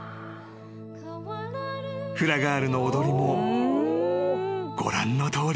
［フラガールの踊りもご覧のとおり］